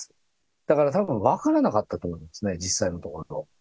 だから、たぶん分からなかったと思いますね、実際のところ。